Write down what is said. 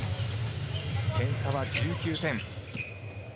点差は１９点。